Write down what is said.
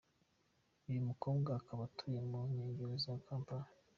Uyu mukobwa akaba atuye mu nkengero za Kampala.